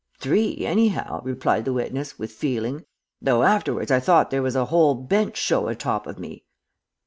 "'Three, anyhow,' replied the witness, with feeling, 'though afterwards I thought there was a whole bench show atop of me.'